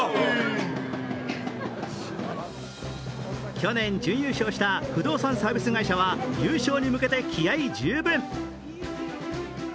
去年、準優勝した不動産サービス会社は優勝に向けて気合い十分。